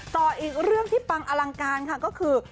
ต่ออีกเรื่องที่ปังอลังการค่ะก็คือ